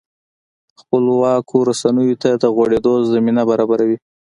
خپلواکو رسنیو ته د غوړېدو زمینه برابروي.